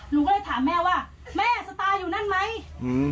หนูก็เลยถามแม่ว่าแม่สตาร์อยู่นั่นไหมอืม